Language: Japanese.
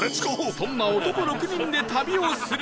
そんな男６人で旅をするのだが